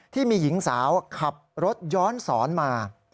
ที่มีหญิงสาวขับรถย้อนสอนมา